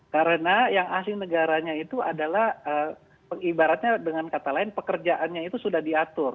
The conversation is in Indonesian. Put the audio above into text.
karena yang ahli negaranya itu adalah ibaratnya dengan kata lain pekerjaannya itu sudah diatur